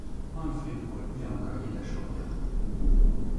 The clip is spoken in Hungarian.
Manfréd volt Bianka édesapja.